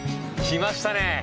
来ましたね。